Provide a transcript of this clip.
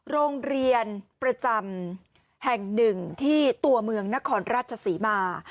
โรงเรียนประจำแห่งหนึ่งที่ตัวเมืองนครราชศรีมา